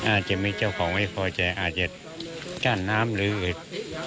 อาจจะมีเจ้าของไม่พอใจอาจจะกั้นน้ำหรืออึด